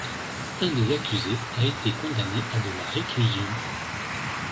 Un des accusés a été condamné à de réclusion.